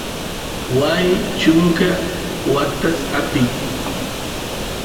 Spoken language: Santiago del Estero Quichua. waay chunka watas apin